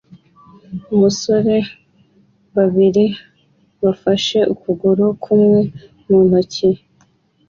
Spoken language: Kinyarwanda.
umusore babiri bafashe ukuguru kumwe mu ntoki